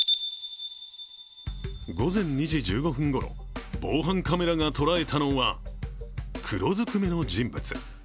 午前２時１５分ごろ、防犯カメラが捉えたのは黒ずくめの人物。